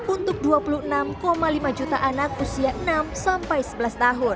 untuk dua puluh enam lima juta anak usia enam sampai sebelas tahun